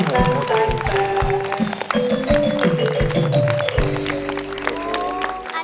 เชียงมา